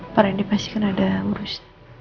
pak rendy pastikan ada urus